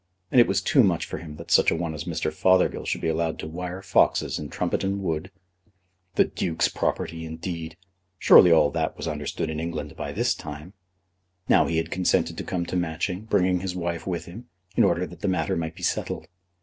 And it was too much for him that such a one as Mr. Fothergill should be allowed to wire foxes in Trumpeton Wood! The Duke's property, indeed! Surely all that was understood in England by this time. Now he had consented to come to Matching, bringing his wife with him, in order that the matter might be settled.